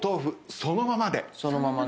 そのままね。